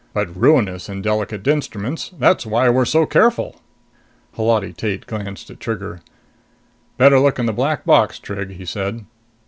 "But ruinous in delicate instruments! That's why we're so careful." Holati Tate glanced at Trigger. "Better look in the black box, Trig," he said.